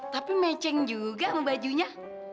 tapi meceng juga sama bajunya